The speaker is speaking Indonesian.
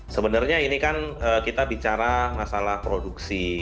sebenarnya ini kan kita bicara masalah produksi